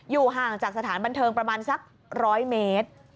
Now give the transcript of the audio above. อยู่ห่างจากสถานบันเทิงประมาณสักร้อยเมตร